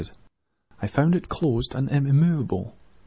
I found it locked and immovable.